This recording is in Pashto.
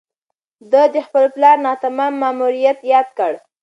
ده د خپل پلار ناتمام ماموریت یاد کړ.